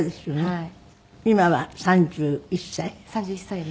はい。